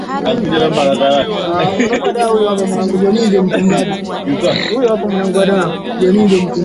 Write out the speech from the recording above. katika harusi na sherehe nyingine za kimila kama vile kujengea makaburi Mahoka mila za